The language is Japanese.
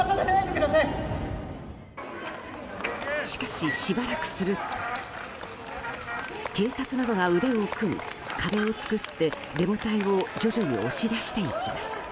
しかし、しばらくすると警察などが腕を組み壁を作って、デモ隊を徐々に押し出していきます。